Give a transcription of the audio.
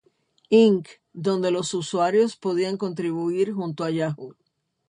Inc., donde los usuarios podían contribuir junto a Yahoo!